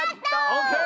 オーケー！